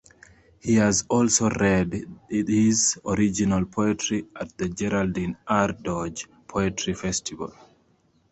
He has also read his original poetry at the Geraldine R. Dodge Poetry Festival.